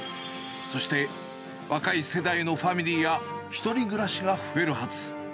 そして、若い世代のファミリーや１人暮らしが増えるはず。